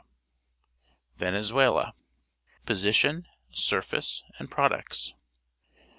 VENEZUELA Position, Surface, and F>roducts.